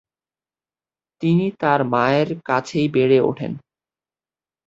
তিনি তার মায়ের কাছেই বেড়ে ওঠেন।